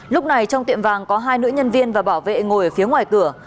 lúc này trong tiệm vàng có hai nữ nhân viên và bảo vệ ngồi phía ngoài cửa